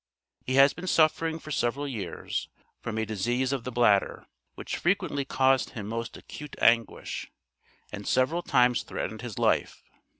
He has been suffering for several years, from a disease of the bladder, which frequently caused him most acute anguish, and several times threatened his life.